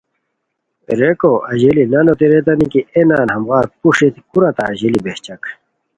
ریکو اژیلی نانوتے ریتانی کی اے نان ہموغار پروشٹی کورا تہ اژیلی بہچاکا؟